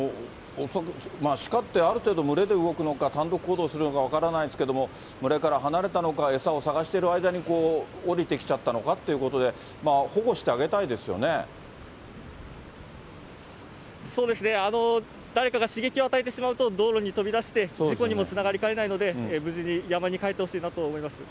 鹿って、ある程度群れで動くのか、単独行動するのか、分からないですけれども、群れから離れたのか、餌を探している間に下りてきちゃったのかということで、保護してそうですね、誰かが刺激を与えてしまうと、道路に飛び出して、事故にもつながりかねないので、無事に山に帰ってほしいなと思います。